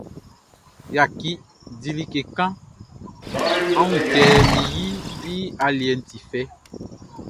Yaki, di like kan; á wún kɛ min yiʼn i aliɛʼn ti fɛ.